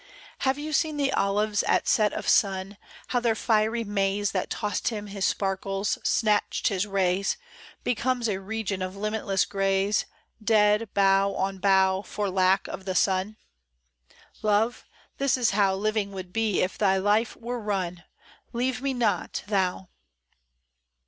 HAVE you seen the olives at set of sun, How their fiery maze. That tossed him his sparkles, snatched his rays. Becomes a region of limitless grays. Dead, bough on bough. For lack of the sun ? Love, this is how Living would be if thy life' were ran : Leave me not, thou